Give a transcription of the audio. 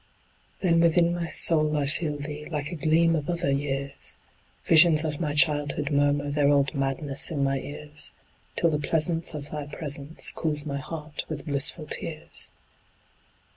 Then within my soul I feel thee Like a gleam of other years, Visions of my childhood murmur Their old madness in my ears, Till the pleasance of thy presence Cools my heart with blissful tears.